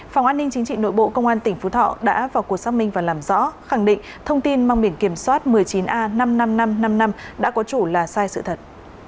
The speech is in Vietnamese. phòng an ninh chính trị nội bộ công an tỉnh phú thọ đã vào cuộc xác minh và làm rõ khẳng định thông tin mang biển kiểm soát một mươi chín a năm mươi năm nghìn năm trăm năm mươi năm đã có chủ là sai sự thật